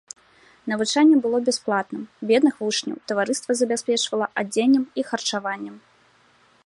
Навучанне было бясплатным, бедных вучняў таварыства забяспечвала адзеннем і харчаваннем.